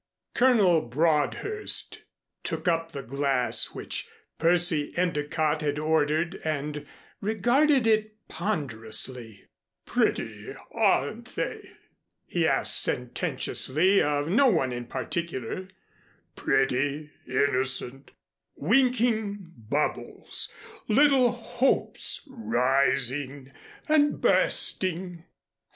Colonel Broadhurst took up the glass which Percy Endicott had ordered and regarded it ponderously. "Pretty, aren't they?" he asked sententiously of no one in particular, "pretty, innocent, winking bubbles! Little hopes rising and bursting."